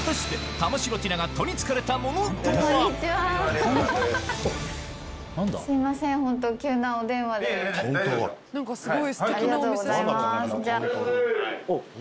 ありがとうございますじゃあ。